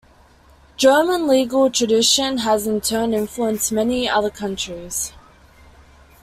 German legal tradition has in turn influenced many other countries.